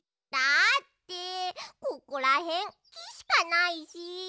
だってここらへんきしかないし。